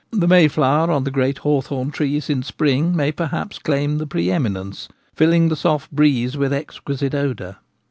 The may flower on the great hawthorn trees in spring may perhaps claim the pre eminence, filling the soft breeze with exquisite odour.